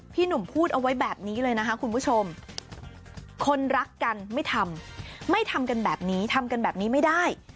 หนุ่มพูดเอาไว้แบบนี้เลยนะคะคุณผู้ชมคนรักกันไม่ทำไม่ทำกันแบบนี้ทำกันแบบนี้ไม่ได้